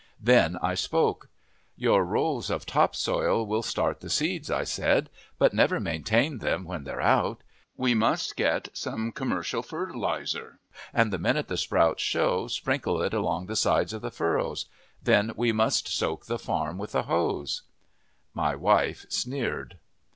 Then I spoke. "Your rows of top soil will start the seeds," I said, "but never maintain them when they're out. We must get some commercial fertilizer, and the minute the sprouts show, sprinkle it along the sides of the furrows. Then we must soak the farm with a hose." My wife sneered.